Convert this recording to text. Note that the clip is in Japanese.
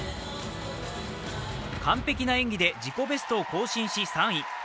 完璧な演技で自己ベストを更新し３位。